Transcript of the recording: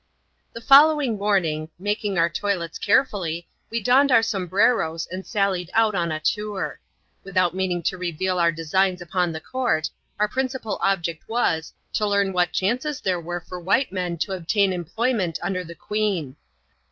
The following morning, making our toilets carefully, we donned our sombreros, and sallied out on a tour. Without meaning to reveal our designs upon the court, our principal object was, to leam what chances there were for white men to obtain employment under the queen.